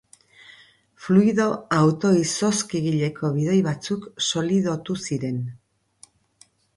Fluido auto-izozkigileko bidoi batzuk solidotu ziren.